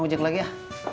ngojek lagi ya